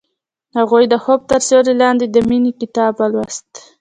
هغې د خوب تر سیوري لاندې د مینې کتاب ولوست.